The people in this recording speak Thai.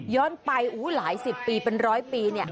ย้อนไปหลายสิบปีเป็นร้อยปี